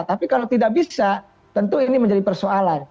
tapi kalau tidak bisa tentu ini menjadi persoalan